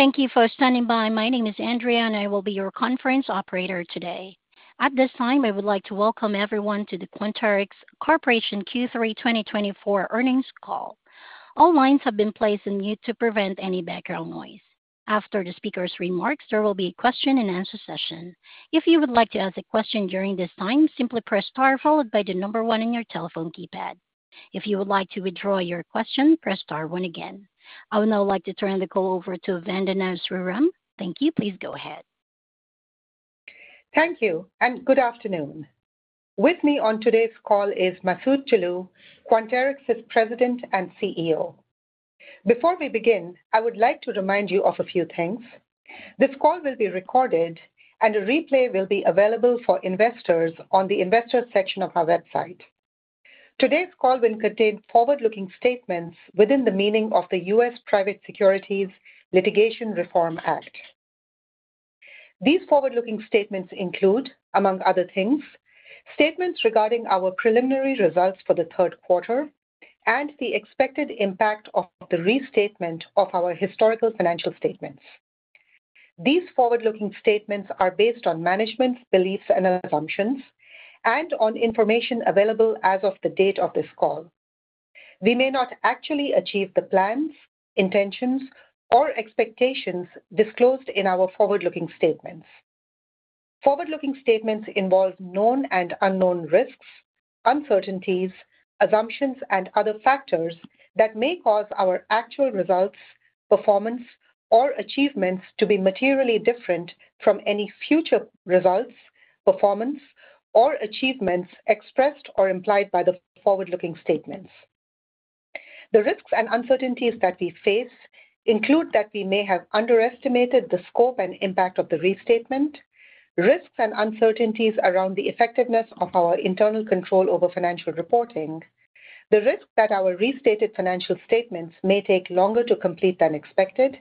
Thank you for standing by. My name is Andrea, and I will be your conference operator today. At this time, I would like to welcome everyone to the Quanterix Corporation Q3 2024 Earnings Call. All lines have been placed on mute to prevent any background noise. After the speaker's remarks, there will be a question-and-answer session. If you would like to ask a question during this time, simply press star followed by the number one on your telephone keypad. If you would like to withdraw your question, press star one again. I would now like to turn the call over to Vandana Sriram. Thank you. Please go ahead. Thank you, and good afternoon. With me on today's call is Masoud Toloue, Quanterix's president and CEO. Before we begin, I would like to remind you of a few things. This call will be recorded, and a replay will be available for investors on the investor section of our website. Today's call will contain forward-looking statements within the meaning of the US Private Securities Litigation Reform Act. These forward-looking statements include, among other things, statements regarding our preliminary results for the third quarter and the expected impact of the restatement of our historical financial statements. These forward-looking statements are based on management's beliefs and assumptions and on information available as of the date of this call. We may not actually achieve the plans, intentions, or expectations disclosed in our forward-looking statements. Forward-looking statements involve known and unknown risks, uncertainties, assumptions, and other factors that may cause our actual results, performance, or achievements to be materially different from any future results, performance, or achievements expressed or implied by the forward-looking statements. The risks and uncertainties that we face include that we may have underestimated the scope and impact of the restatement, risks and uncertainties around the effectiveness of our internal control over financial reporting, the risk that our restated financial statements may take longer to complete than expected,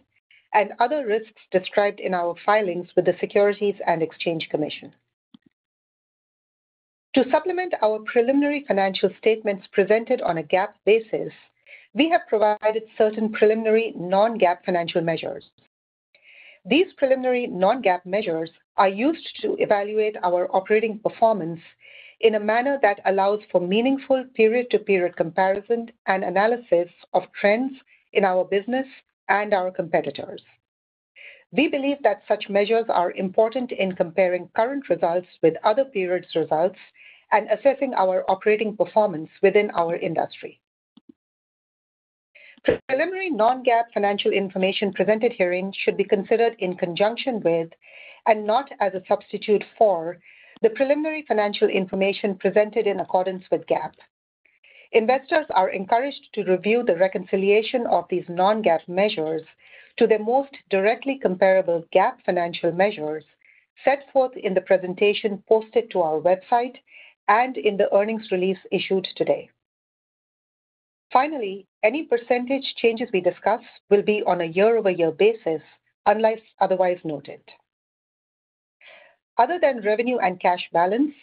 and other risks described in our filings with the Securities and Exchange Commission. To supplement our preliminary financial statements presented on a GAAP basis, we have provided certain preliminary non-GAAP financial measures. These preliminary non-GAAP measures are used to evaluate our operating performance in a manner that allows for meaningful period-to-period comparison and analysis of trends in our business and our competitors. We believe that such measures are important in comparing current results with other periods' results and assessing our operating performance within our industry. Preliminary non-GAAP financial information presented herein should be considered in conjunction with, and not as a substitute for, the preliminary financial information presented in accordance with GAAP. Investors are encouraged to review the reconciliation of these non-GAAP measures to their most directly comparable GAAP financial measures set forth in the presentation posted to our website and in the earnings release issued today. Finally, any percentage changes we discuss will be on a year-over-year basis, unless otherwise noted. Other than revenue and cash balance,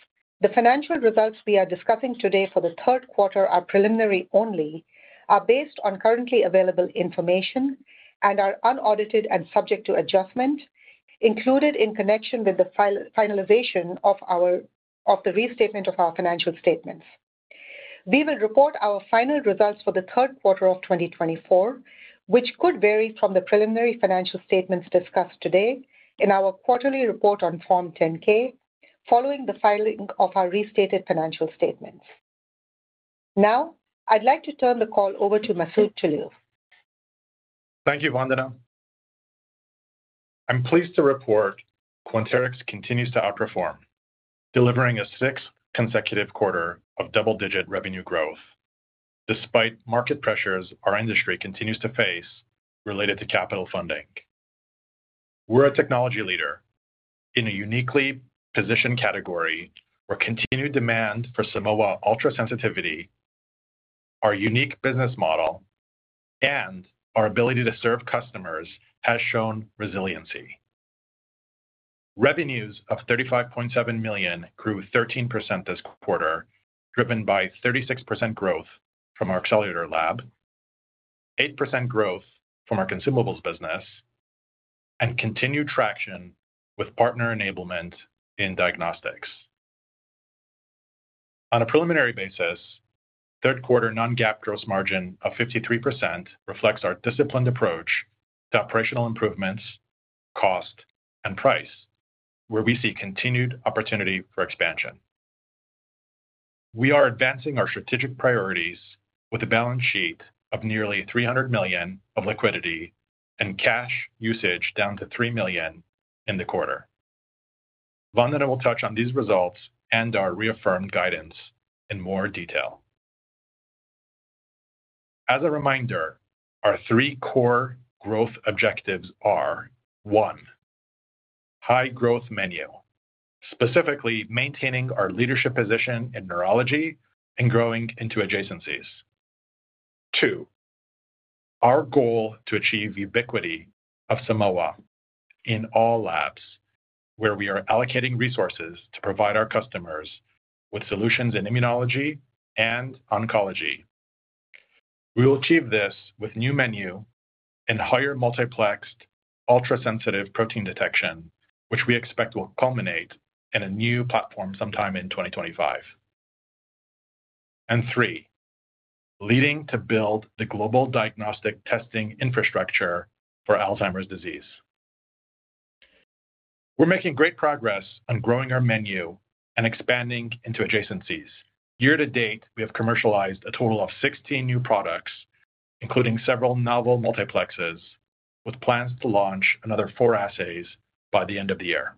the financial results we are discussing today for the third quarter are preliminary only, are based on currently available information and are unaudited and subject to adjustment in connection with the finalization of the restatement of our financial statements. We will report our final results for the third quarter of 2024, which could vary from the preliminary financial statements discussed today in our quarterly report on Form 10-K following the filing of our restated financial statements. Now, I'd like to turn the call over to Masoud Toloue. Thank you, Vandana. I'm pleased to report Quanterix continues to outperform, delivering a sixth consecutive quarter of double-digit revenue growth. Despite market pressures, our industry continues to face related to capital funding. We're a technology leader in a uniquely positioned category where continued demand for Simoa ultra-sensitivity, our unique business model, and our ability to serve customers has shown resiliency. Revenues of $35.7 million grew 13% this quarter, driven by 36% growth from our Accelerator Lab, 8% growth from our consumables business, and continued traction with partner enablement in diagnostics. On a preliminary basis, third-quarter non-GAAP gross margin of 53% reflects our disciplined approach to operational improvements, cost, and price, where we see continued opportunity for expansion. We are advancing our strategic priorities with a balance sheet of nearly $300 million of liquidity and cash usage down to $3 million in the quarter. Vandana will touch on these results and our reaffirmed guidance in more detail. As a reminder, our three core growth objectives are: one, high growth menu, specifically maintaining our leadership position in neurology and growing into adjacencies. Two, our goal to achieve ubiquity of Simoa in all labs where we are allocating resources to provide our customers with solutions in immunology and oncology. We will achieve this with new menu and higher multiplexed ultra-sensitive protein detection, which we expect will culminate in a new platform sometime in 2025. Three, leading to build the global diagnostic testing infrastructure for Alzheimer's disease. We're making great progress on growing our menu and expanding into adjacencies. Year to date, we have commercialized a total of 16 new products, including several novel multiplexes, with plans to launch another four assays by the end of the year.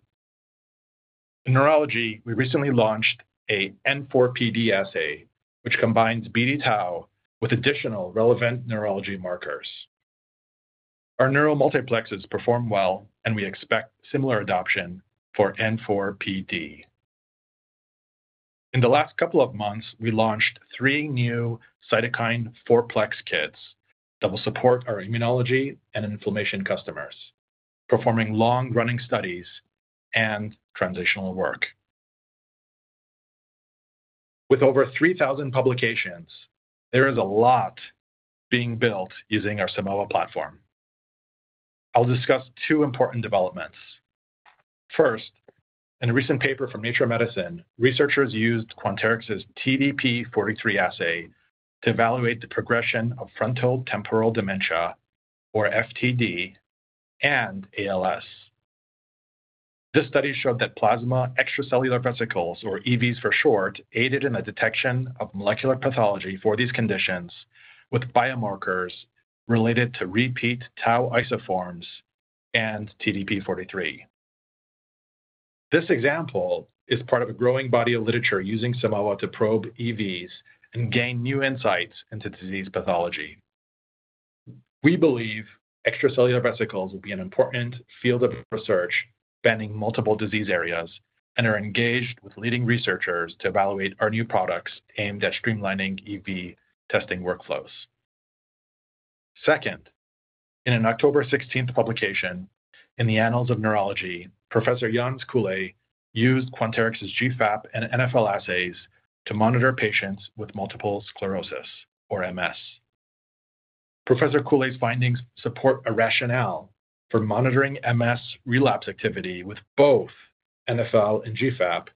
In neurology, we recently launched an N4PE assay, which combines BD-Tau with additional relevant neurology markers. Our neural multiplexes perform well, and we expect similar adoption for N4PE. In the last couple of months, we launched three new cytokine four-plex kits that will support our immunology and inflammation customers, performing long-running studies and transitional work. With over 3,000 publications, there is a lot being built using our Simoa platform. I'll discuss two important developments. First, in a recent paper from Nature Medicine, researchers used Quanterix's TDP-43 assay to evaluate the progression of frontotemporal dementia, or FTD, and ALS. This study showed that plasma extracellular vesicles, or EVs for short, aided in the detection of molecular pathology for these conditions with biomarkers related to repeat tau isoforms and TDP-43. This example is part of a growing body of literature using Simoa to probe EVs and gain new insights into disease pathology. We believe extracellular vesicles will be an important field of research spanning multiple disease areas and are engaged with leading researchers to evaluate our new products aimed at streamlining EV testing workflows. Second, in an October 16th publication in the Annals of Neurology, Professor Jens Kuhle used Quanterix's GFAP and NfL assays to monitor patients with multiple sclerosis, or MS. Professor Kuhle's findings support a rationale for monitoring MS relapse activity with both NfL and GFAP,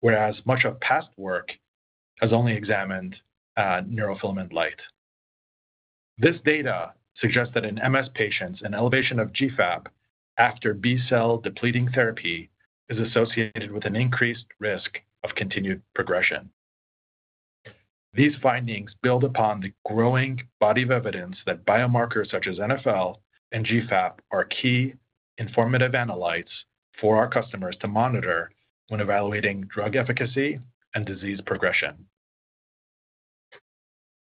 whereas much of past work has only examined neurofilament light. This data suggests that in MS patients, an elevation of GFAP after B-cell depleting therapy is associated with an increased risk of continued progression. These findings build upon the growing body of evidence that biomarkers such as NfL and GFAP are key informative analytes for our customers to monitor when evaluating drug efficacy and disease progression.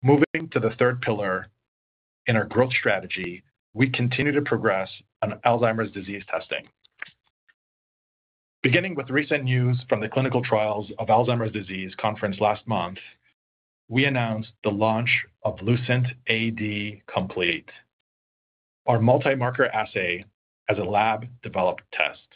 Moving to the third pillar in our growth strategy, we continue to progress on Alzheimer's disease testing. Beginning with recent news from the clinical trials on Alzheimer's Disease conference last month, we announced the launch of LucentAD Complete, our multi-marker assay as a lab-developed test.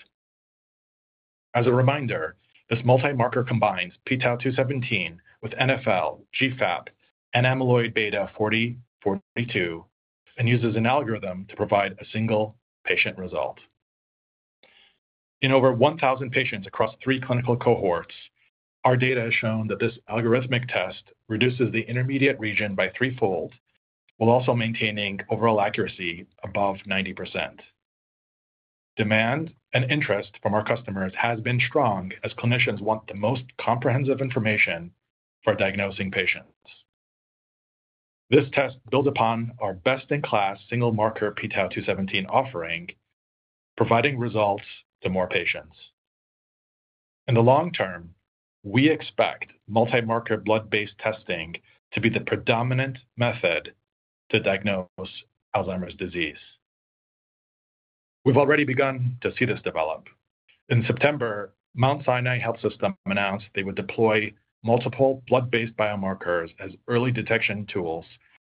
As a reminder, this multi-marker combines p-Tau 217 with NfL, GFAP, and amyloid beta 40/42, and uses an algorithm to provide a single patient result. In over 1,000 patients across three clinical cohorts, our data has shown that this algorithmic test reduces the intermediate zone by threefold, while also maintaining overall accuracy above 90%. Demand and interest from our customers has been strong as clinicians want the most comprehensive information for diagnosing patients. This test builds upon our best-in-class single-marker p-Tau 217 offering, providing results to more patients. In the long term, we expect multi-marker blood-based testing to be the predominant method to diagnose Alzheimer's disease. We've already begun to see this develop. In September, Mount Sinai Health System announced they would deploy multiple blood-based biomarkers as early detection tools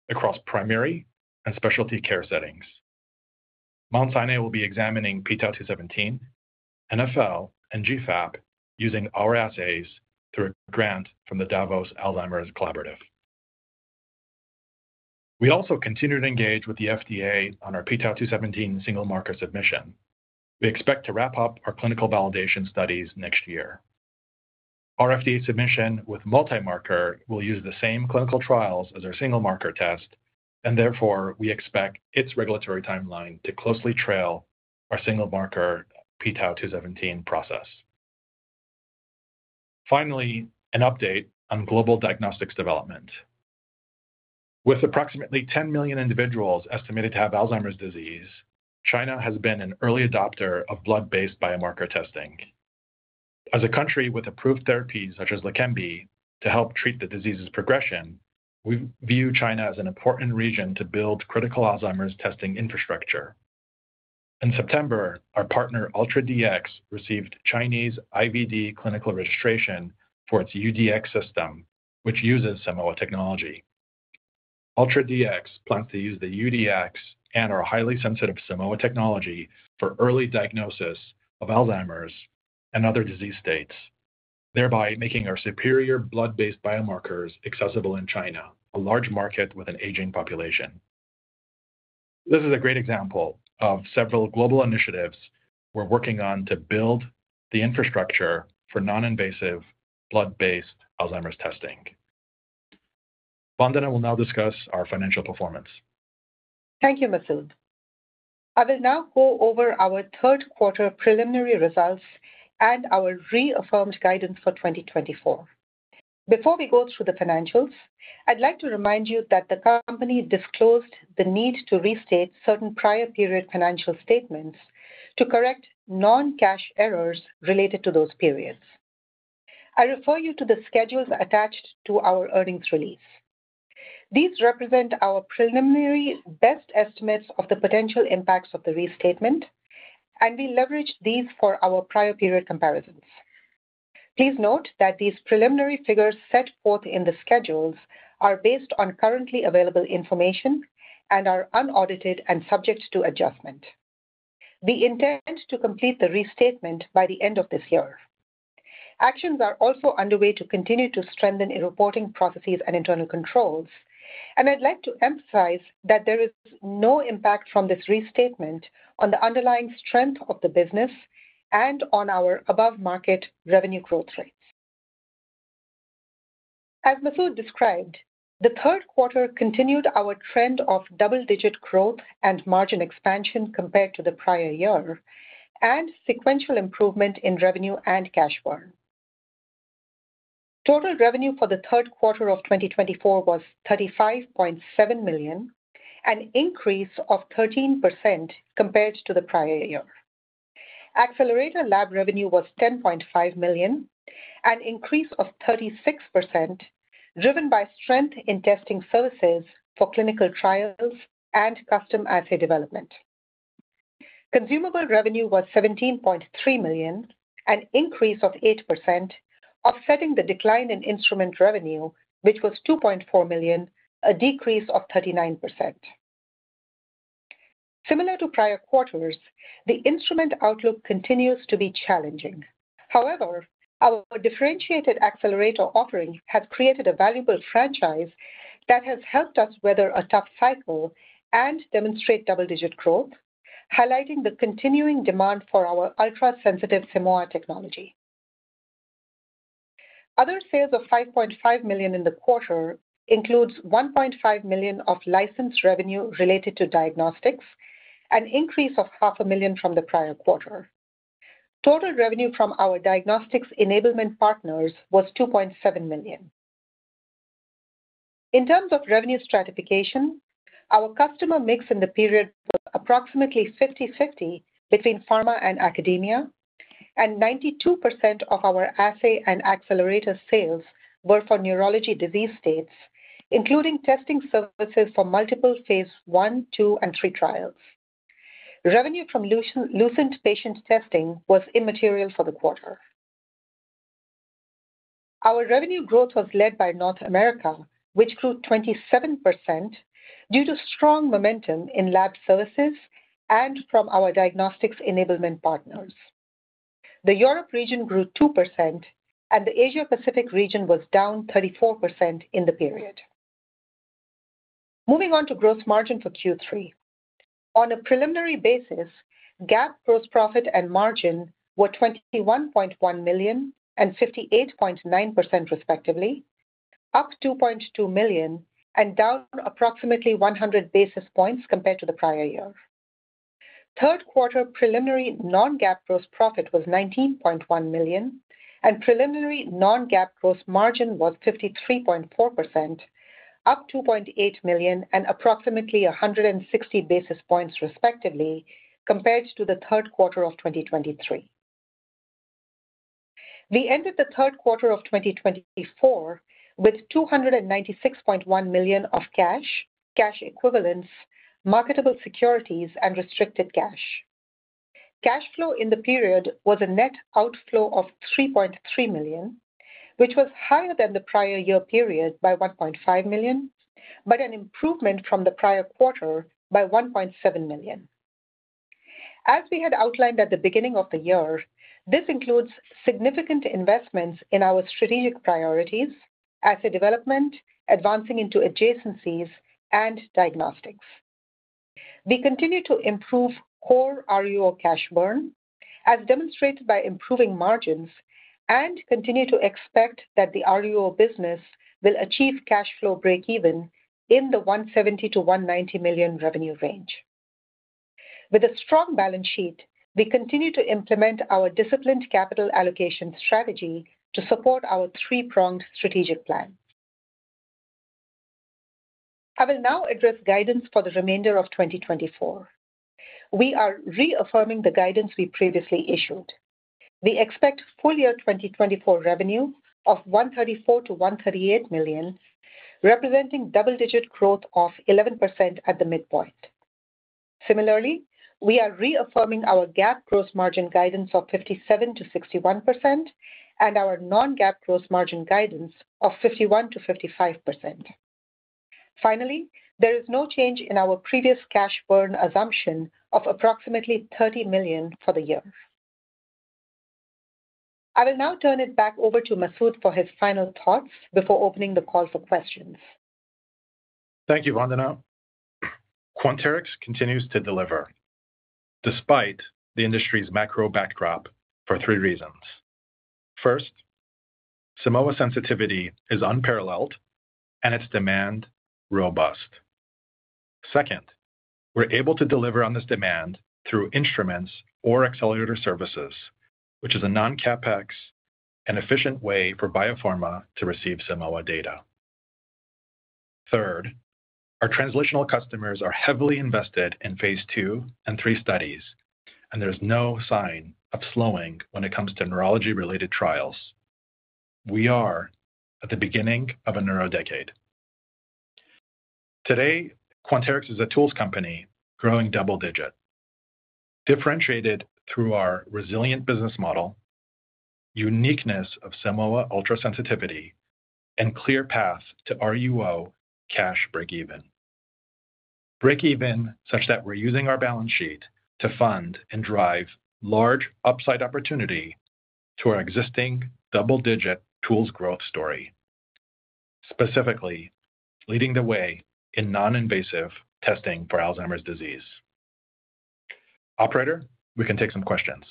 across primary and specialty care settings. Mount Sinai will be examining p-Tau 217, NfL, and GFAP using our assays through a grant from the Davos Alzheimer's Collaborative. We also continue to engage with the FDA on our p-Tau 217 single-marker submission. We expect to wrap up our clinical validation studies next year. Our FDA submission with multi-marker will use the same clinical trials as our single-marker test, and therefore we expect its regulatory timeline to closely trail our single-marker p-Tau 217 process. Finally, an update on global diagnostics development. With approximately 10 million individuals estimated to have Alzheimer's disease, China has been an early adopter of blood-based biomarker testing. As a country with approved therapies such as Leqembi to help treat the disease's progression, we view China as an important region to build critical Alzheimer's testing infrastructure. In September, our partner UltraDx received Chinese IVD clinical registration for its UDX system, which uses Simoa technology. UltraDx plans to use the UDX and our highly sensitive Simoa technology for early diagnosis of Alzheimer's and other disease states, thereby making our superior blood-based biomarkers accessible in China, a large market with an aging population. This is a great example of several global initiatives we're working on to build the infrastructure for non-invasive blood-based Alzheimer's testing. Vandana will now discuss our financial performance. Thank you, Masoud. I will now go over our third quarter preliminary results and our reaffirmed guidance for 2024. Before we go through the financials, I'd like to remind you that the company disclosed the need to restate certain prior period financial statements to correct non-cash errors related to those periods. I refer you to the schedules attached to our earnings release. These represent our preliminary best estimates of the potential impacts of the restatement, and we leverage these for our prior period comparisons. Please note that these preliminary figures set forth in the schedules are based on currently available information and are unaudited and subject to adjustment. We intend to complete the restatement by the end of this year. Actions are also underway to continue to strengthen reporting processes and internal controls, and I'd like to emphasize that there is no impact from this restatement on the underlying strength of the business and on our above-market revenue growth rates. As Masoud described, the third quarter continued our trend of double-digit growth and margin expansion compared to the prior year, and sequential improvement in revenue and cash burn. Total revenue for the third quarter of 2024 was $35.7 million, an increase of 13% compared to the prior year. Accelerator Lab revenue was $10.5 million, an increase of 36%, driven by strength in testing services for clinical trials and custom assay development. Consumable revenue was $17.3 million, an increase of 8%, offsetting the decline in instrument revenue, which was $2.4 million, a decrease of 39%. Similar to prior quarters, the instrument outlook continues to be challenging. However, our differentiated Accelerator offering has created a valuable franchise that has helped us weather a tough cycle and demonstrate double-digit growth, highlighting the continuing demand for our ultra-sensitive Simoa technology. Other sales of $5.5 million in the quarter include $1.5 million of license revenue related to diagnostics, an increase of $500,000 from the prior quarter. Total revenue from our diagnostics enablement partners was $2.7 million. In terms of revenue stratification, our customer mix in the period was approximately 50/50 between pharma and academia, and 92% of our assay and Accelerator sales were for neurology disease states, including testing services for multiple Phase I, II, and III Trials. Revenue from LucentAD patient testing was immaterial for the quarter. Our revenue growth was led by North America, which grew 27% due to strong momentum in lab services and from our diagnostics enablement partners. The Europe region grew 2%, and the Asia-Pacific region was down 34% in the period. Moving on to gross margin for Q3. On a preliminary basis, GAAP gross profit and margin were $21.1 million and 58.9%, respectively, up $2.2 million and down approximately 100 basis points compared to the prior year. Third quarter preliminary non-GAAP gross profit was $19.1 million, and preliminary non-GAAP gross margin was 53.4%, up $2.8 million and approximately 160 basis points, respectively, compared to the third quarter of 2023. We ended the third quarter of 2024 with $296.1 million of cash, cash equivalents, marketable securities, and restricted cash. Cash flow in the period was a net outflow of $3.3 million, which was higher than the prior year period by $1.5 million, but an improvement from the prior quarter by $1.7 million. As we had outlined at the beginning of the year, this includes significant investments in our strategic priorities, assay development, advancing into adjacencies, and diagnostics. We continue to improve core RUO cash burn, as demonstrated by improving margins, and continue to expect that the RUO business will achieve cash flow break-even in the $170-$190 million revenue range. With a strong balance sheet, we continue to implement our disciplined capital allocation strategy to support our three-pronged strategic plan. I will now address guidance for the remainder of 2024. We are reaffirming the guidance we previously issued. We expect full year 2024 revenue of $134-$138 million, representing double-digit growth of 11% at the midpoint. Similarly, we are reaffirming our GAAP gross margin guidance of 57-61% and our non-GAAP gross margin guidance of 51-55%. Finally, there is no change in our previous cash burn assumption of approximately $30 million for the year. I will now turn it back over to Masoud for his final thoughts before opening the call for questions. Thank you, Vandana. Quanterix continues to deliver despite the industry's macro backdrop for three reasons. First, Simoa sensitivity is unparalleled and its demand robust. Second, we're able to deliver on this demand through instruments or accelerator services, which is a non-CapEx and efficient way for biopharma to receive Simoa data. Third, our translational customers are heavily invested in Phase II and III studies, and there's no sign of slowing when it comes to neurology-related trials. We are at the beginning of a neuro decade. Today, Quanterix is a tools company growing double-digit, differentiated through our resilient business model, uniqueness of Simoa ultra-sensitivity, and clear path to RUO cash break-even. Break-even such that we're using our balance sheet to fund and drive large upside opportunity to our existing double-digit tools growth story, specifically leading the way in non-invasive testing for Alzheimer's disease. Operator, we can take some questions.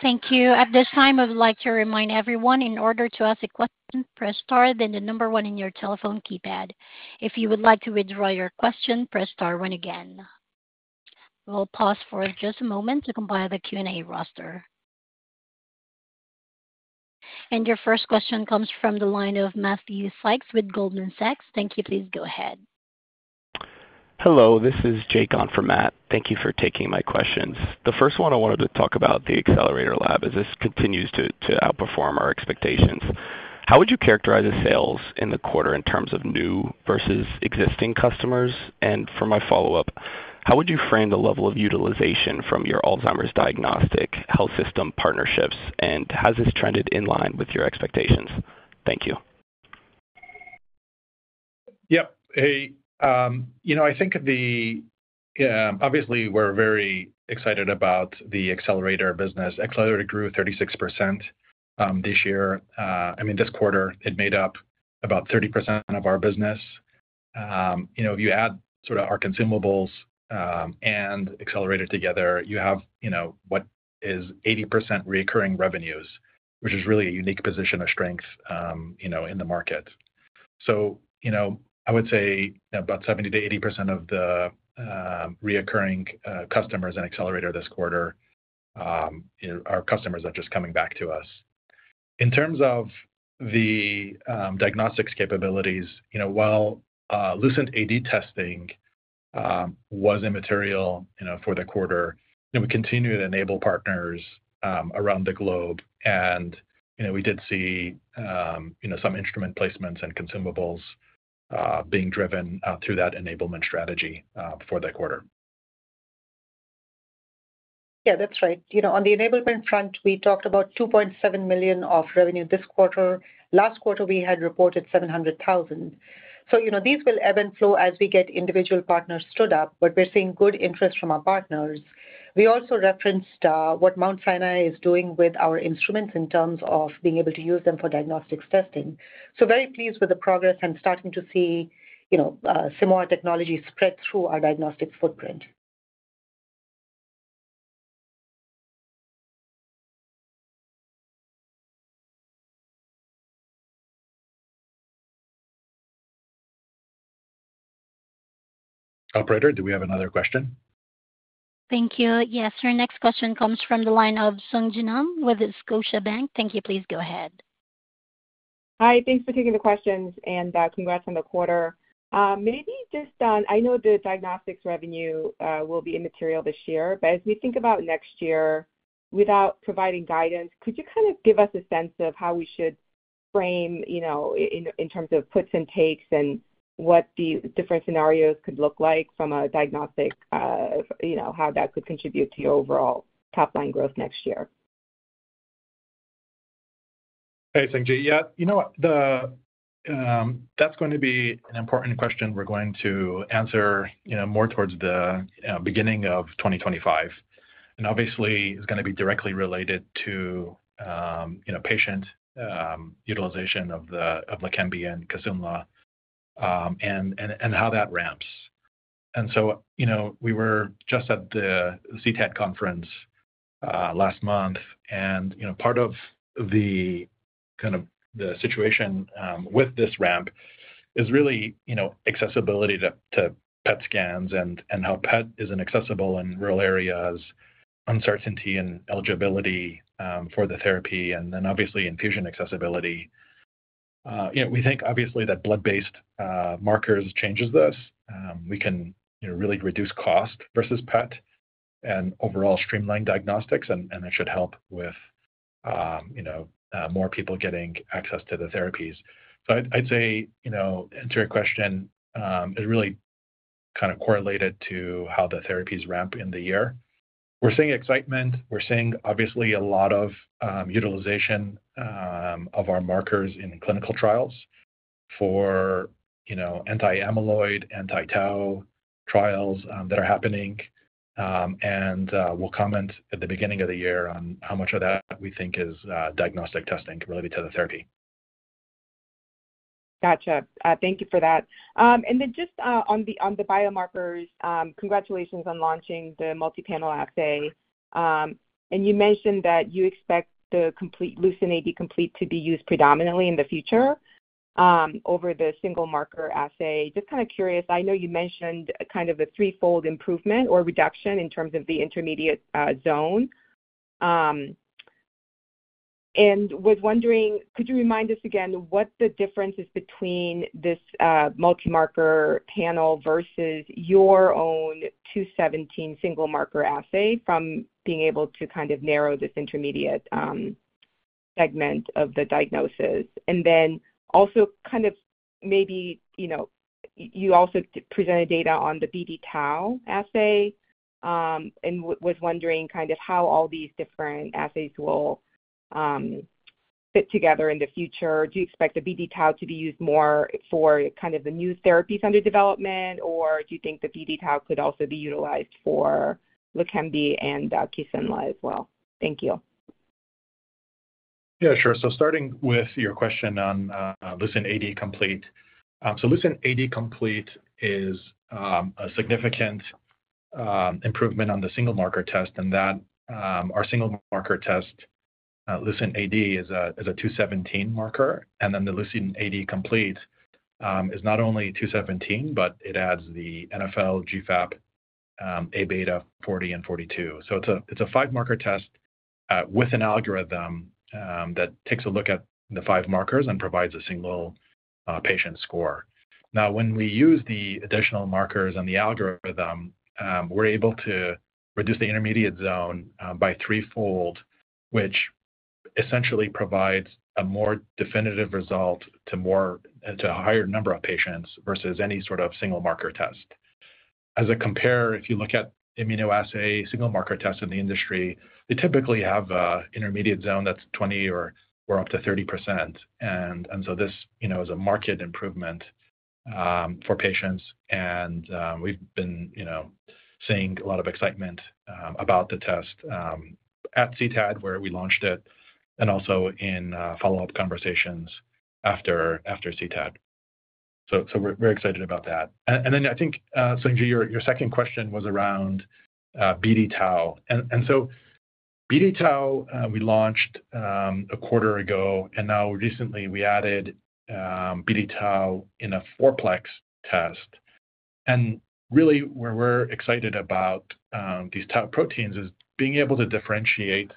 Thank you. At this time, I would like to remind everyone in order to ask a question, press star then the number one in your telephone keypad. If you would like to withdraw your question, press star one again. We'll pause for just a moment to compile the Q&A roster, and your first question comes from the line of Matthew Sykes with Goldman Sachs. Thank you. Please go ahead. Hello. This is Jay calling for Matt. Thank you for taking my questions. The first one I wanted to talk about the Accelerator Lab is this continues to outperform our expectations. How would you characterize the sales in the quarter in terms of new versus existing customers? And for my follow-up, how would you frame the level of utilization from your Alzheimer's diagnostic health system partnerships, and has this trended in line with your expectations? Thank you. Yep. Hey, you know, I think of the, obviously, we're very excited about the Accelerator business. Accelerator grew 36% this year. I mean, this quarter, it made up about 30% of our business. You know, if you add sort of our consumables and Accelerator together, you have, you know, what is 80% recurring revenues, which is really a unique position of strength, you know, in the market, so you know, I would say about 70%-80% of the recurring customers and Accelerator this quarter are customers that are just coming back to us. In terms of the diagnostics capabilities, you know, while LucentAD testing was immaterial for the quarter, you know, we continue to enable partners around the globe, and, you know, we did see, you know, some instrument placements and consumables being driven through that enablement strategy for the quarter. Yeah, that's right. You know, on the enablement front, we talked about $2.7 million of revenue this quarter. Last quarter, we had reported $700,000. So, you know, these will ebb and flow as we get individual partners stood up, but we're seeing good interest from our partners. We also referenced what Mount Sinai is doing with our instruments in terms of being able to use them for diagnostics testing. So, very pleased with the progress and starting to see, you know, Simoa technology spread through our diagnostics footprint. Operator, do we have another question? Thank you. Yes, your next question comes from the line of Sung Ji Nam with Scotiabank. Thank you. Please go ahead. Hi, thanks for taking the questions and congrats on the quarter. Maybe just on, I know the diagnostics revenue will be immaterial this year, but as we think about next year without providing guidance, could you kind of give us a sense of how we should frame, you know, in terms of puts and takes and what the different scenarios could look like from a diagnostic, you know, how that could contribute to your overall top-line growth next year? Hey, Sung Ji. Yeah, you know, that's going to be an important question we're going to answer, you know, more towards the beginning of 2025. And obviously, it's going to be directly related to, you know, patient utilization of the Leqembi and Kisunla and how that ramps. And so, you know, we were just at the CTAD conference last month, and, you know, part of the kind of the situation with this ramp is really, you know, accessibility to PET scans and how PET isn't accessible in rural areas, uncertainty and eligibility for the therapy, and then obviously infusion accessibility. You know, we think obviously that blood-based markers change this. We can, you know, really reduce cost versus PET and overall streamline diagnostics, and it should help with, you know, more people getting access to the therapies. So I'd say, you know, to your question, it really kind of correlated to how the therapies ramp in the year. We're seeing excitement. We're seeing obviously a lot of utilization of our markers in clinical trials for, you know, anti-amyloid, anti-Tau trials that are happening. And we'll comment at the beginning of the year on how much of that we think is diagnostic testing related to the therapy. Gotcha. Thank you for that. And then just on the biomarkers, congratulations on launching the multi-panel assay. And you mentioned that you expect the LucentAD Complete to be used predominantly in the future over the single marker assay. Just kind of curious. I know you mentioned kind of the threefold improvement or reduction in terms of the intermediate zone. And was wondering, could you remind us again what the difference is between this multi-marker panel versus your own 217 single marker assay from being able to kind of narrow this intermediate segment of the diagnosis? And then also kind of maybe, you know, you also presented data on the BD-Tau assay and was wondering kind of how all these different assays will fit together in the future. Do you expect the BD-Tau to be used more for kind of the new therapies under development, or do you think the BD-Tau could also be utilized for the Leqembi and Kisunla as well? Thank you. Yeah, sure. So starting with your question on LucentAD Complete, so LucentAD Complete is a significant improvement on the single marker test in that our single marker test, LucentAD is a 217 marker, and then the LucentAD Complete is not only 217, but it adds the NfL, GFAP, Aβ 40, and 42. So it's a five-marker test with an algorithm that takes a look at the five markers and provides a single patient score. Now, when we use the additional markers and the algorithm, we're able to reduce the intermediate zone by threefold, which essentially provides a more definitive result to a higher number of patients versus any sort of single marker test. As a comparison, if you look at immunoassay single marker tests in the industry, they typically have an intermediate zone that's 20% or up to 30%. And so this, you know, is a marked improvement for patients. And we've been, you know, seeing a lot of excitement about the test at CTAD, where we launched it, and also in follow-up conversations after CTAD. So we're excited about that. And then I think, Sung Ji, your second question was around BD-Tau. And so BD-Tau, we launched a quarter ago, and now recently we added BD-Tau in a four-plex test. And really where we're excited about these Tau proteins is being able to differentiate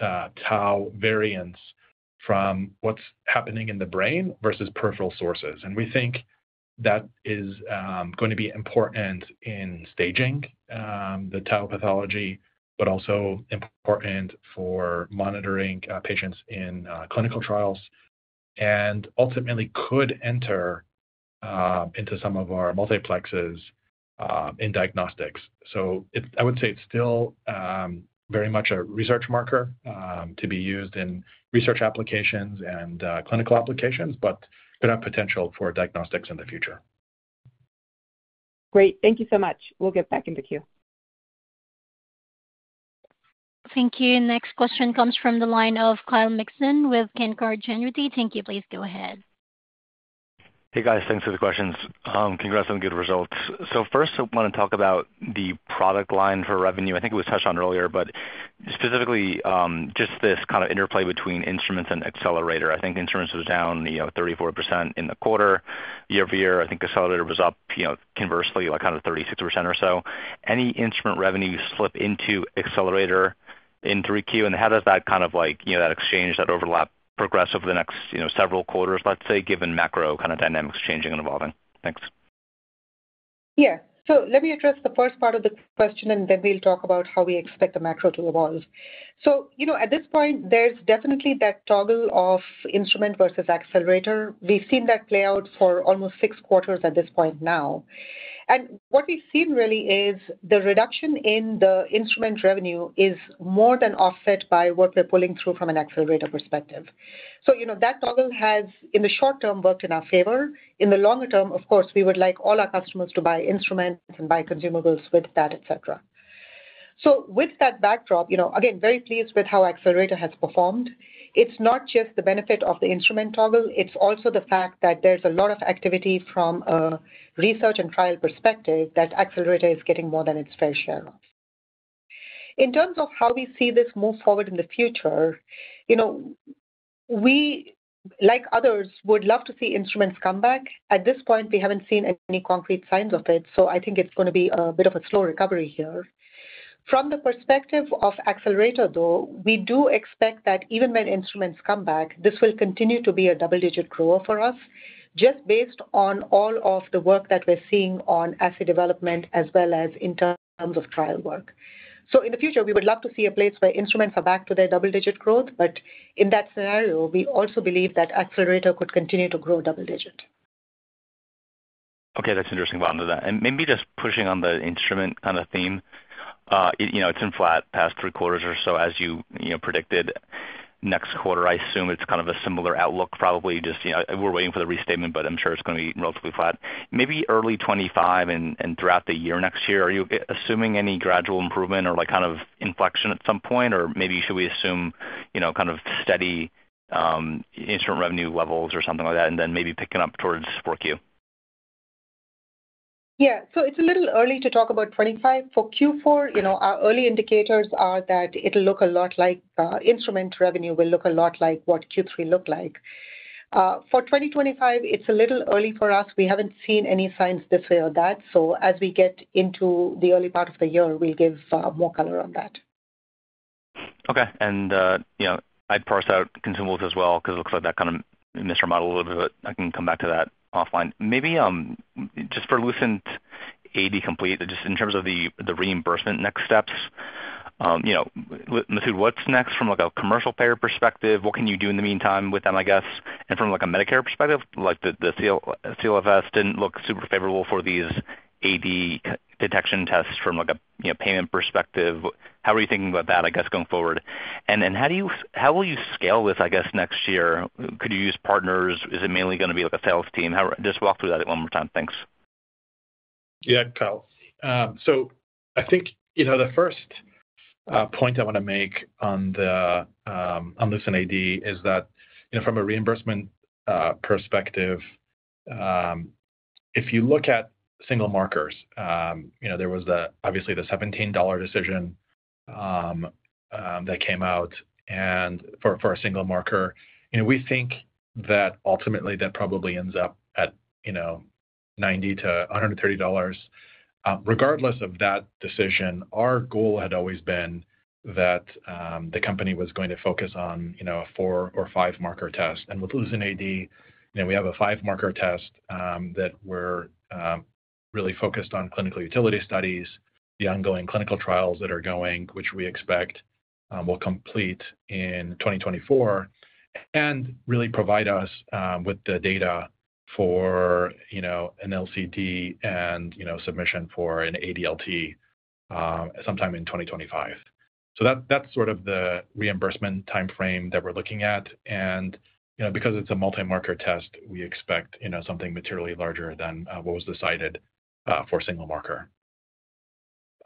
Tau variants from what's happening in the brain versus peripheral sources. And we think that is going to be important in staging the Tau pathology, but also important for monitoring patients in clinical trials and ultimately could enter into some of our multiplexes in diagnostics. So I would say it's still very much a research marker to be used in research applications and clinical applications, but there are potential for diagnostics in the future. Great. Thank you so much. We'll get back into Q. Thank you. Next question comes from the line of Kyle Mixon with Canaccord Genuity. Thank you. Please go ahead. Hey, guys. Thanks for the questions. Congrats on the good results. So first, I want to talk about the product line for revenue. I think it was touched on earlier, but specifically just this kind of interplay between instruments and Accelerator. I think instruments was down, you know, 34% in the quarter year-over-year. I think Accelerator was up, you know, conversely, like kind of 36% or so. Any instrument revenue slip into Accelerator in 3Q? And how does that kind of like, you know, that exchange, that overlap progress over the next, you know, several quarters, let's say, given macro kind of dynamics changing and evolving? Thanks. Yeah. So let me address the first part of the question, and then we'll talk about how we expect the macro to evolve. So, you know, at this point, there's definitely that toggle of instrument versus Accelerator. We've seen that play out for almost six quarters at this point now. And what we've seen really is the reduction in the instrument revenue is more than offset by what we're pulling through from an Accelerator perspective. So, you know, that toggle has in the short term worked in our favor. In the longer term, of course, we would like all our customers to buy instruments and buy consumables with that, et cetera. So with that backdrop, you know, again, very pleased with how Accelerator has performed. It's not just the benefit of the instrument toggle. It's also the fact that there's a lot of activity from a research and trial perspective that Accelerator is getting more than its fair share of. In terms of how we see this move forward in the future, you know, we, like others, would love to see instruments come back. At this point, we haven't seen any concrete signs of it. So I think it's going to be a bit of a slow recovery here. From the perspective of Accelerator, though, we do expect that even when instruments come back, this will continue to be a double-digit grower for us just based on all of the work that we're seeing on assay development as well as in terms of trial work. So in the future, we would love to see a place where instruments are back to their double-digit growth. But in that scenario, we also believe that Accelerator could continue to grow double-digit. Okay. That's interesting about that. And maybe just pushing on the instrument kind of theme, you know, it's been flat past three quarters or so, as you, you know, predicted next quarter. I assume it's kind of a similar outlook probably. Just, you know, we're waiting for the restatement, but I'm sure it's going to be relatively flat. Maybe early 2025 and throughout the year next year, are you assuming any gradual improvement or like kind of inflection at some point? Or maybe should we assume, you know, kind of steady instrument revenue levels or something like that, and then maybe picking up towards 4Q? Yeah. So it's a little early to talk about '25. For Q4, you know, our early indicators are that it'll look a lot like instrument revenue will look a lot like what Q3 looked like. For 2025, it's a little early for us. We haven't seen any signs this way or that. So as we get into the early part of the year, we'll give more color on that. Okay. And, you know, I'd parse out consumables as well because it looks like that kind of misremodeled a little bit, but I can come back to that offline. Maybe just for LucentAD Complete, just in terms of the reimbursement next steps, you know, what's next from like a commercial payer perspective? What can you do in the meantime with them, I guess? And from like a Medicare perspective, like the CLFS didn't look super favorable for these AD detection tests from like a payment perspective. How are you thinking about that, I guess, going forward? And how do you, how will you scale this, I guess, next year? Could you use partners? Is it mainly going to be like a sales team? Just walk through that one more time. Thanks. Yeah, Kyle. So I think, you know, the first point I want to make on the LucentAD is that, you know, from a reimbursement perspective, if you look at single markers, you know, there was obviously the $17 decision that came out for a single marker. You know, we think that ultimately that probably ends up at, you know, $90-$130. Regardless of that decision, our goal had always been that the company was going to focus on, you know, a four or five marker test. And with LucentAD, you know, we have a five marker test that we're really focused on clinical utility studies, the ongoing clinical trials that are going, which we expect will complete in 2024, and really provide us with the data for, you know, an LCD and, you know, submission for an ADLT sometime in 2025. So that's sort of the reimbursement timeframe that we're looking at. And, you know, because it's a multi-marker test, we expect, you know, something materially larger than what was decided for single marker.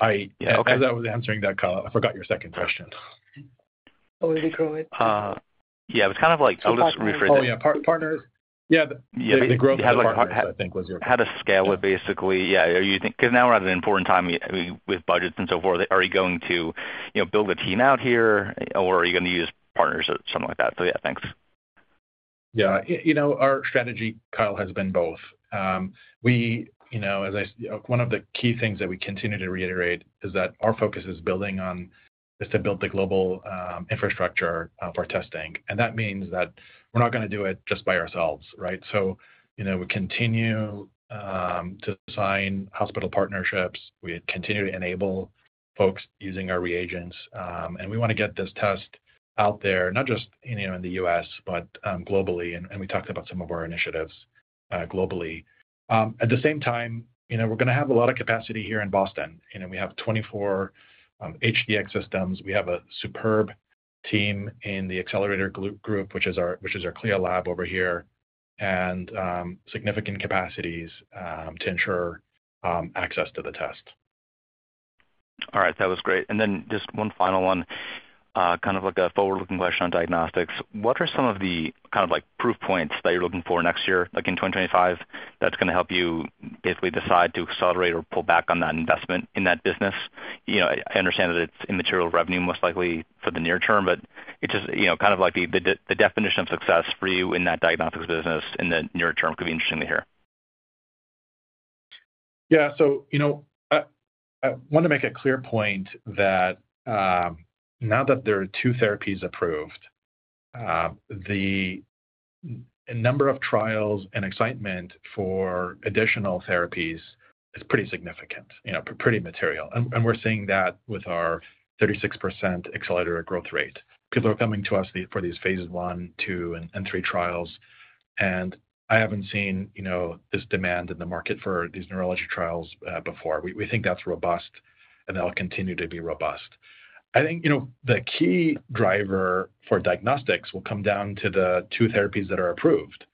I was answering that, Kyle. I forgot your second question. Oh, we'll grow it. Yeah. It was kind of like I'll just rephrase that. Oh, yeah. Partners. Yeah. Yeah. They grow the partners. I think was your. How to scale it basically. Yeah. Because now we're at an important time with budgets and so forth. Are you going to, you know, build a team out here, or are you going to use partners or something like that? So yeah, thanks. Yeah. You know, our strategy, Kyle, has been both. We, you know, as I said, one of the key things that we continue to reiterate is that our focus is building on just to build the global infrastructure for testing. And that means that we're not going to do it just by ourselves, right? So, you know, we continue to sign hospital partnerships. We continue to enable folks using our reagents. And we want to get this test out there, not just, you know, in the U.S., but globally. And we talked about some of our initiatives globally. At the same time, you know, we're going to have a lot of capacity here in Boston. You know, we have 24 HD-X systems. We have a superb team in the accelerator group, which is our CLIA lab over here, and significant capacities to ensure access to the test. All right. That was great. And then just one final one, kind of like a forward-looking question on diagnostics. What are some of the kind of like proof points that you're looking for next year, like in 2025, that's going to help you basically decide to accelerate or pull back on that investment in that business? You know, I understand that it's immaterial revenue most likely for the near term, but it's just, you know, kind of like the definition of success for you in that diagnostics business in the near term could be interesting to hear. Yeah. So, you know, I want to make a clear point that now that there are two therapies approved, the number of trials and excitement for additional therapies is pretty significant, you know, pretty material. And we're seeing that with our 36% Accelerator growth rate. People are coming to us for these Phase I, II, and III Trials. And I haven't seen, you know, this demand in the market for these neurology trials before. We think that's robust, and they'll continue to be robust. I think, you know, the key driver for diagnostics will come down to the two therapies that are approved.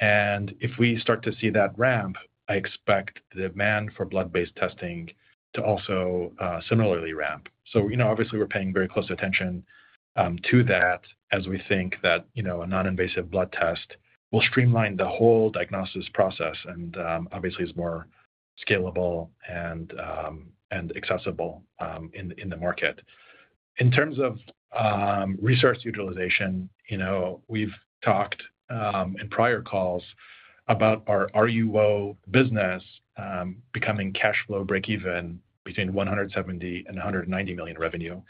And if we start to see that ramp, I expect the demand for blood-based testing to also similarly ramp. So, you know, obviously, we're paying very close attention to that as we think that, you know, a non-invasive blood test will streamline the whole diagnostics process and obviously is more scalable and accessible in the market. In terms of resource utilization, you know, we've talked in prior calls about our RUO business becoming cash flow break-even between $170 million and $190 million revenue.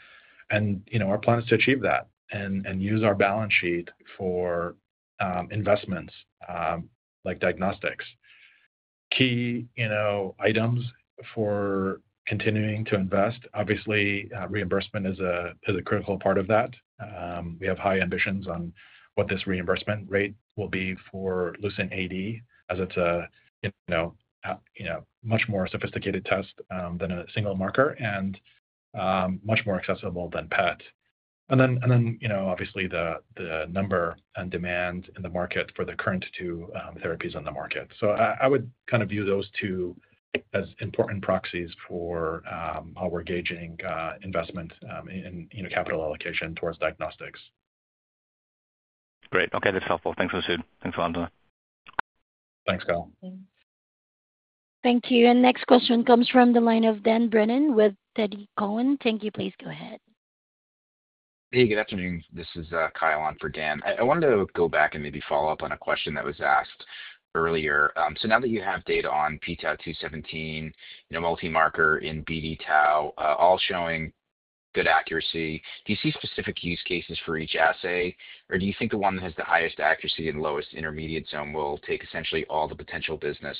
And, you know, our plan is to achieve that and use our balance sheet for investments like diagnostics. Key, you know, items for continuing to invest. Obviously, reimbursement is a critical part of that. We have high ambitions on what this reimbursement rate will be for LucentAD, as it's a, you know, much more sophisticated test than a single marker and much more accessible than PET. And then, you know, obviously the number and demand in the market for the current two therapies in the market. So I would kind of view those two as important proxies for how we're gauging investment in capital allocation towards diagnostics. Great. Okay. That's helpful. Thanks Masoud. Thanks, Vandana. Thanks, Kyle. Thank you. And next question comes from the line of Dan Brennan with TD Cowen. Thank you. Please go ahead. Hey, good afternoon. This is Kyle on for Dan. I wanted to go back and maybe follow up on a question that was asked earlier. So now that you have data on p-Tau 217, you know, multi-marker in BD-Tau, all showing good accuracy, do you see specific use cases for each assay, or do you think the one that has the highest accuracy and lowest intermediate zone will take essentially all the potential business?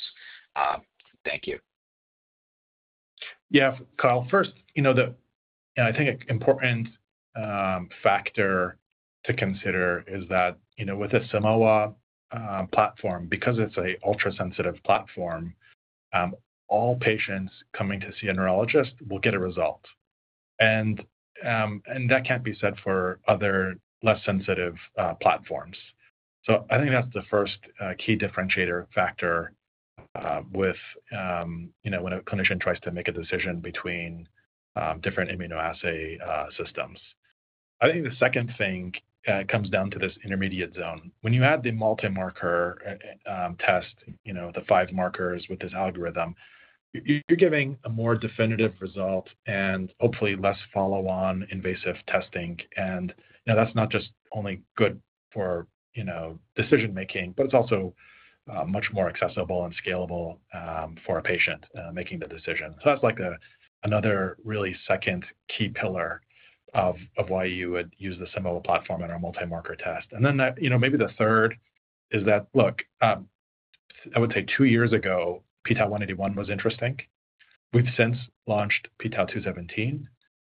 Thank you. Yeah, Kyle. First, you know, I think an important factor to consider is that, you know, with a Simoa platform, because it's an ultra-sensitive platform, all patients coming to see a neurologist will get a result. And that can't be said for other less sensitive platforms. So I think that's the first key differentiator factor with, you know, when a clinician tries to make a decision between different immunoassay systems. I think the second thing comes down to this intermediate zone. When you add the multi-marker test, you know, the five markers with this algorithm, you're giving a more definitive result and hopefully less follow-on invasive testing. And that's not just only good for, you know, decision-making, but it's also much more accessible and scalable for a patient making the decision. So that's like another really second key pillar of why you would use the Simoa platform in a multi-marker test. And then that, you know, maybe the third is that, look, I would say two years ago, p-Tau 181 was interesting. We've since launched p-Tau 217.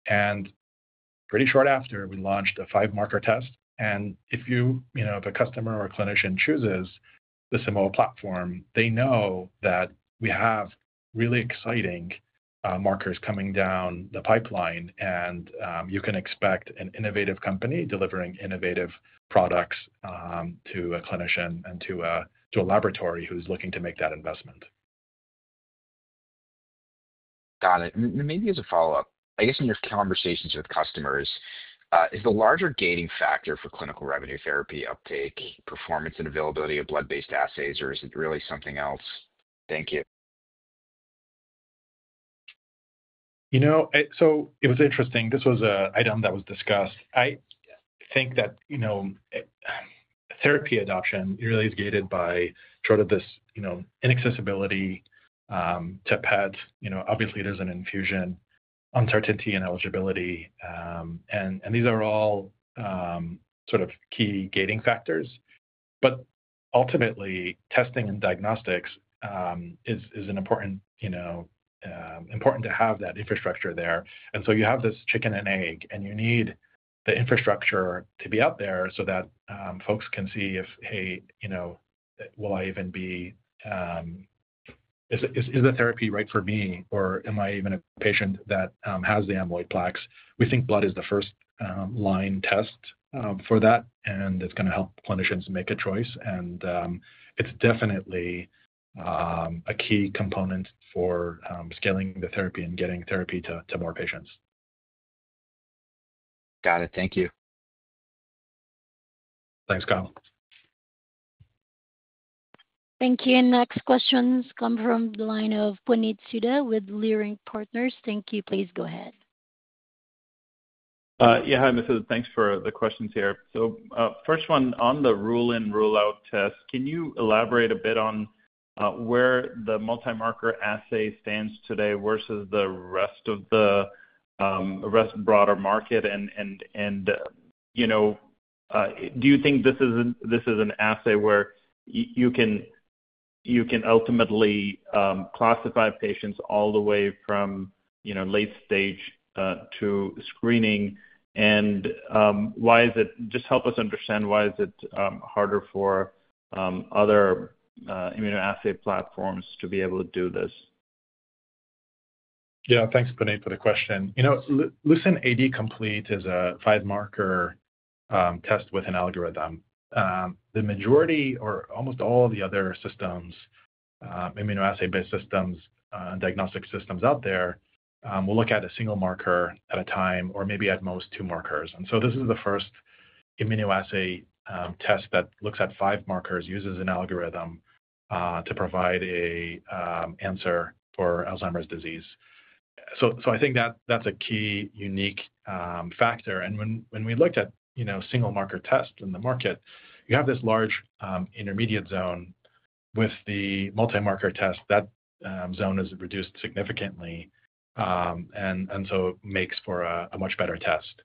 And pretty short after, we launched a five-marker test. And if you, you know, if a customer or a clinician chooses the Simoa platform, they know that we have really exciting markers coming down the pipeline. And you can expect an innovative company delivering innovative products to a clinician and to a laboratory who's looking to make that investment. Got it. And maybe as a follow-up, I guess in your conversations with customers, is the larger gating factor for clinical revenue therapy uptake, performance, and availability of blood-based assays, or is it really something else? Thank you. You know, so it was interesting. This was an item that was discussed. I think that, you know, therapy adoption really is gated by sort of this, you know, inaccessibility to PET. You know, obviously, there's an infusion, uncertainty, and eligibility. And these are all sort of key gating factors. But ultimately, testing and diagnostics is an important, you know, to have that infrastructure there. And so you have this chicken and egg, and you need the infrastructure to be out there so that folks can see if, hey, you know, will I even be, is the therapy right for me, or am I even a patient that has the amyloid plaques? We think blood is the first line test for that, and it's going to help clinicians make a choice. And it's definitely a key component for scaling the therapy and getting therapy to more patients. Got it. Thank you. Thanks, Kyle. Thank you. And next questions come from the line of Puneet Souda with Leerink Partners. Thank you. Please go ahead. Yeah, hi, Masoud. Thanks for the questions here. So first one on the rule-in-rule-out test. Can you elaborate a bit on where the multi-marker assay stands today versus the rest of the broader market? And, you know, do you think this is an assay where you can ultimately classify patients all the way from, you know, late stage to screening? And why is it, just help us understand why is it harder for other immunoassay platforms to be able to do this? Yeah. Thanks, Puneet, for the question. You know, LucentAD Complete is a five-marker test with an algorithm. The majority or almost all the other systems, immunoassay-based systems, diagnostic systems out there will look at a single marker at a time or maybe at most two markers. And so this is the first immunoassay test that looks at five markers, uses an algorithm to provide an answer for Alzheimer's disease. So I think that that's a key unique factor. And when we looked at, you know, single marker tests in the market, you have this large intermediate zone with the multi-marker test. That zone is reduced significantly. And so it makes for a much better test.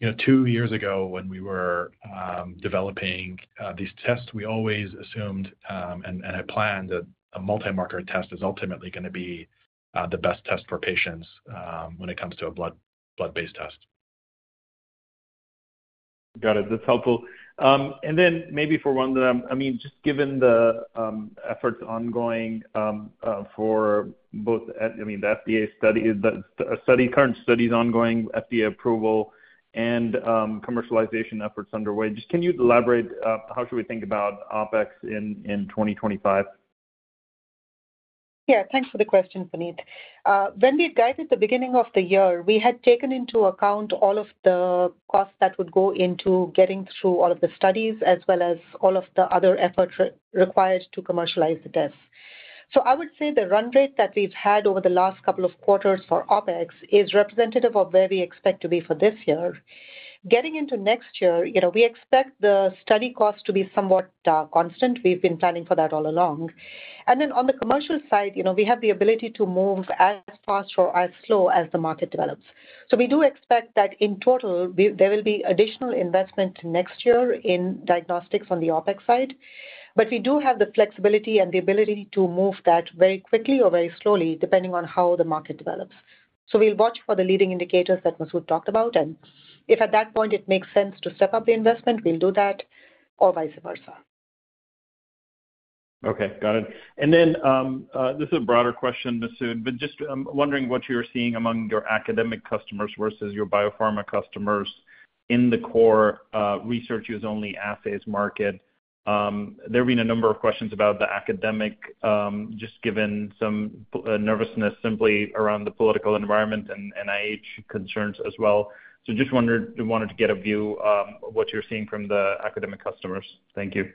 You know, two years ago when we were developing these tests, we always assumed and had planned that a multi-marker test is ultimately going to be the best test for patients when it comes to a blood-based test. Got it. That's helpful. And then maybe for one that I mean, just given the efforts ongoing for both, I mean, the FDA study, current studies ongoing, FDA approval, and commercialization efforts underway, just can you elaborate how should we think about OpEx in 2025? Yeah. Thanks for the question, Puneet. When we got at the beginning of the year, we had taken into account all of the costs that would go into getting through all of the studies as well as all of the other efforts required to commercialize the tests. So I would say the run rate that we've had over the last couple of quarters for OpEx is representative of where we expect to be for this year. Getting into next year, you know, we expect the study cost to be somewhat constant. We've been planning for that all along. And then on the commercial side, you know, we have the ability to move as fast or as slow as the market develops. So we do expect that in total, there will be additional investment next year in diagnostics on the OpEx side. But we do have the flexibility and the ability to move that very quickly or very slowly depending on how the market develops. So we'll watch for the leading indicators that Masoud talked about. And if at that point it makes sense to step up the investment, we'll do that or vice versa. Okay. Got it. And then this is a broader question, Masoud, but just I'm wondering what you're seeing among your academic customers versus your biopharma customers in the core research-use-only assays market. There have been a number of questions about the academic, just given some nervousness simply around the political environment and NIH concerns as well. So just wanted to get a view of what you're seeing from the academic customers. Thank you.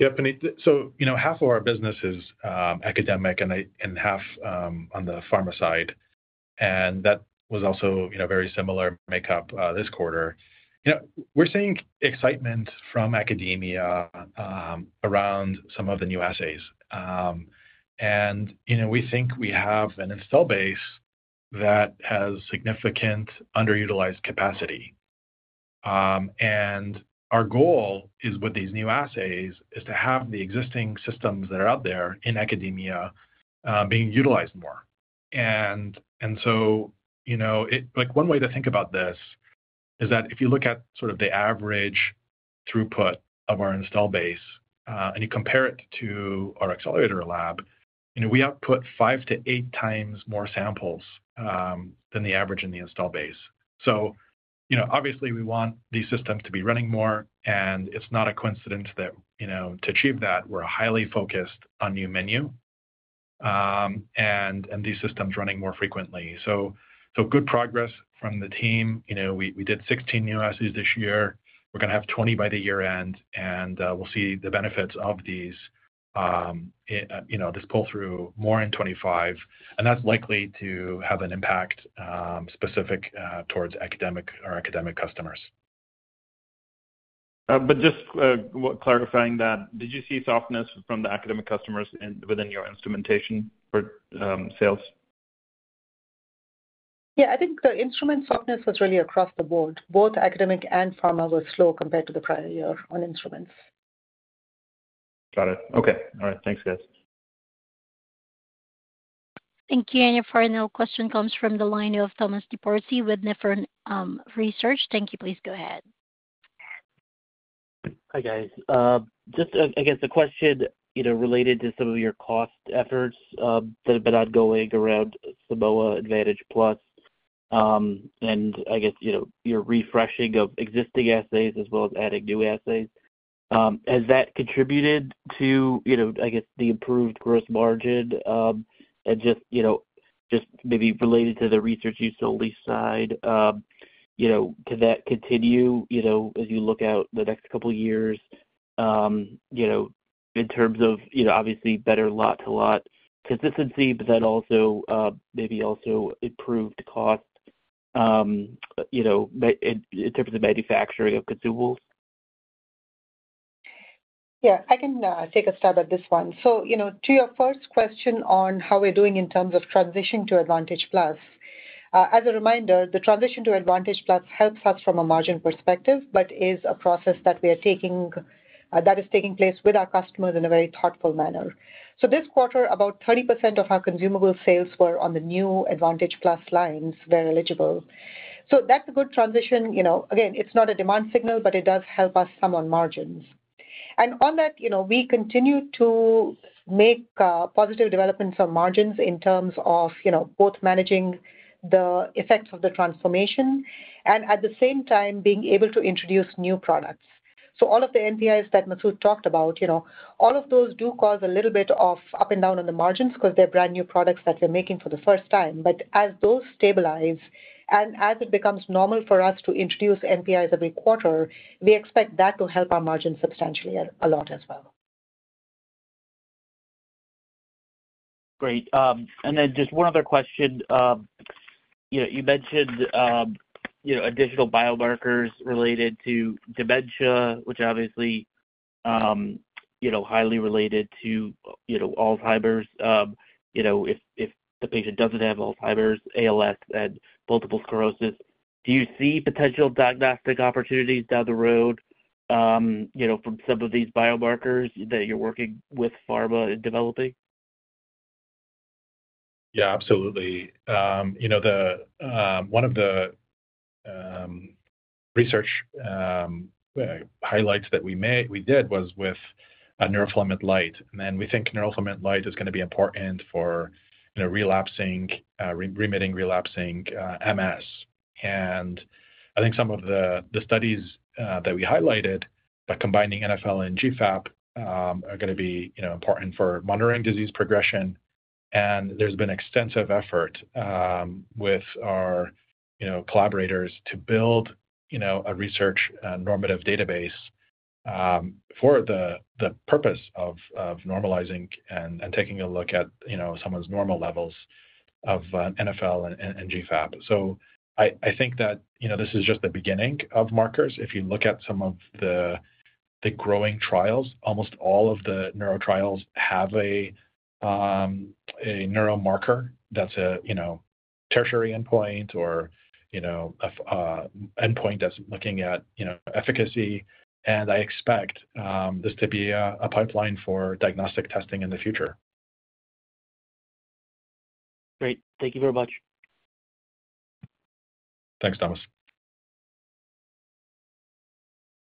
Yeah, Puneet. So, you know, half of our business is academic and half on the pharma side. And that was also, you know, very similar makeup this quarter. You know, we're seeing excitement from academia around some of the new assays. And, you know, we think we have an install base that has significant underutilized capacity. And our goal with these new assays is to have the existing systems that are out there in academia being utilized more. And so, you know, like one way to think about this is that if you look at sort of the average throughput of our install base and you compare it to our Accelerator Lab, you know, we output five to eight times more samples than the average in the install base. So, you know, obviously, we want these systems to be running more. It's not a coincidence that, you know, to achieve that, we're highly focused on new menu and these systems running more frequently. So good progress from the team. You know, we did 16 new assays this year. We're going to have 20 by the year end. We'll see the benefits of these, you know, this pull-through more in 2025. That's likely to have an impact specific towards academic customers. But just clarifying that, did you see softness from the academic customers within your instrumentation for sales? Yeah, I think the instrument softness was really across the board. Both academic and pharma were slow compared to the prior year on instruments. Got it. Okay. All right. Thanks, guys. Thank you. And your final question comes from the line of Thomas DeBourcy with Nephron Research. Thank you. Please go ahead. Hi, guys. Just, I guess, the question, you know, related to some of your cost efforts that have been ongoing around Simoa Advantage Plus and, I guess, you know, your refreshing of existing assays as well as adding new assays. Has that contributed to, you know, I guess, the improved gross margin and just, you know, just maybe related to the research-use-only side, you know, can that continue, you know, as you look out the next couple of years, you know, in terms of, you know, obviously better lot-to-lot consistency, but then also maybe improved cost, you know, in terms of manufacturing of consumables? Yeah, I can take a stab at this one, so you know, to your first question on how we're doing in terms of transitioning to Advantage Plus, as a reminder, the transition to Advantage Plus helps us from a margin perspective, but is a process that we are taking that is taking place with our customers in a very thoughtful manner, so this quarter, about 30% of our consumable sales were on the new Advantage Plus lines where eligible, so that's a good transition. You know, again, it's not a demand signal, but it does help us some on margins, and on that, you know, we continue to make positive developments on margins in terms of, you know, both managing the effects of the transformation and at the same time being able to introduce new products, so all of the NPIs that Ms. Hudson talked about, you know, all of those do cause a little bit of up and down on the margins because they're brand new products that we're making for the first time. But as those stabilize and as it becomes normal for us to introduce NPIs every quarter, we expect that to help our margins substantially a lot as well. Great. And then just one other question. You know, you mentioned, you know, additional biomarkers related to dementia, which obviously, you know, highly related to, you know, Alzheimer's. You know, if the patient doesn't have Alzheimer's, ALS, and multiple sclerosis, do you see potential diagnostic opportunities down the road, you know, from some of these biomarkers that you're working with pharma and developing? Yeah, absolutely. You know, one of the research highlights that we did was with neurofilament light. And then we think neurofilament light is going to be important for, you know, relapsing-remitting relapsing MS. And I think some of the studies that we highlighted by combining NfL and GFAP are going to be, you know, important for monitoring disease progression. And there's been extensive effort with our, you know, collaborators to build, you know, a research normative database for the purpose of normalizing and taking a look at, you know, someone's normal levels of NfL and GFAP. So I think that, you know, this is just the beginning of markers. If you look at some of the growing trials, almost all of the neuro trials have a neuro marker that's a, you know, tertiary endpoint or, you know, an endpoint that's looking at, you know, efficacy. I expect this to be a pipeline for diagnostic testing in the future. Great. Thank you very much. Thanks, Thomas.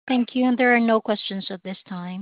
Thank you. And there are no questions at this time.